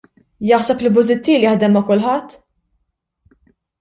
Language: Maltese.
Jaħseb li Busuttil jaħdem ma' kulħadd?